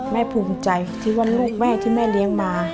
ภูมิใจที่ว่าลูกแม่ที่แม่เลี้ยงมา